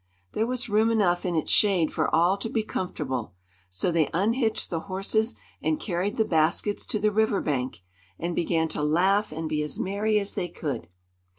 There was room enough in its shade for all to be comfortable; so they unhitched the horses and carried the baskets to the river bank, and began to laugh and be as merry as they could.